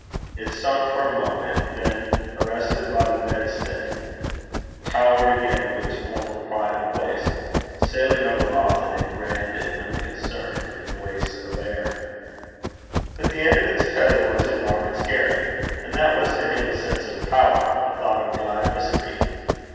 It sunk for a moment, then, arrested by the bedstead, towered again to its former 'pride of place,' sailing over Rothieden, grand and unconcerned, in the wastes of air. But the end of its tether was in Robert's garret. And that was to him a sense of power, a thought of glad mystery.